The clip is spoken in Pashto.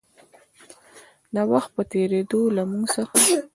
د وخـت پـه تېـرېدو لـه مـوږ څـخـه